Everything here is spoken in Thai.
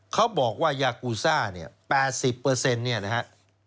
เขาบอกว่ายากูซ่าเนี่ย๘๐เนี่ยนะฮะ